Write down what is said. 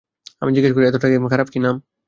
আমি জিজ্ঞাস করি, এতটা কি খারাপ এই নাম?